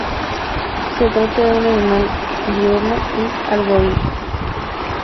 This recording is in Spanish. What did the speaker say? Se trata de un animal diurno y arborícola.